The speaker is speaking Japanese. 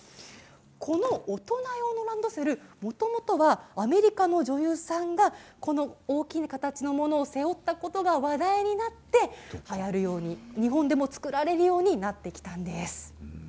この大人用のランドセルもともとはアメリカの女優さんがこの大きな形のものを背負ったことが話題になって日本でも作られるようになってきたんです。